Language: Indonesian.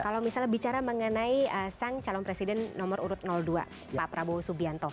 kalau misalnya bicara mengenai sang calon presiden nomor urut dua pak prabowo subianto